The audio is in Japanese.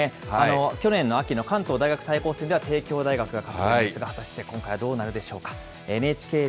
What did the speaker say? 去年秋の関東大学対抗戦では、帝京大学が勝っていますが、果たして今回、どうなるでしょうか。